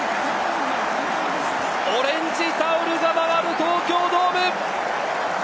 オレンジタオルが回る東京ドーム。